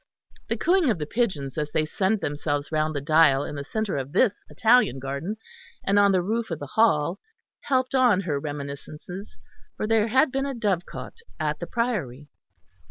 The cooing of the pigeons as they sunned themselves round the dial in the centre of this Italian garden and on the roof of the hall helped on her reminiscences, for there had been a dovecote at the priory.